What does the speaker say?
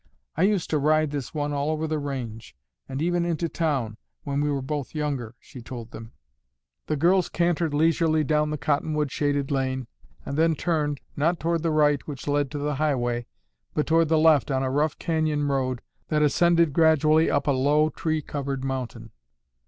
"I used to ride this one all over the range, and even into town, when we were both younger," she told them. The girls cantered leisurely down the cottonwood shaded lane and then turned, not toward the right which led to the highway, but toward the left on a rough canyon road that ascended gradually up a low tree covered mountain.